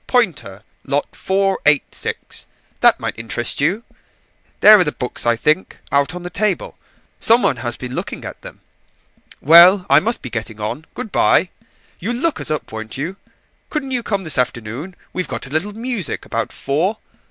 Poynter. Lot 486. That might interest you. There are the books, I think: out on the table. Some one has been looking at them. Well, I must be getting on. Good bye, you'll look us up, won't you? Couldn't you come this afternoon? we've got a little music about four.